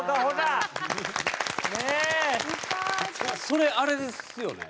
それあれですよね？